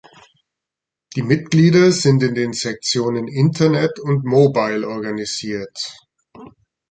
Die Mitglieder sind in den Sektionen "Internet" und "Mobile" organisiert.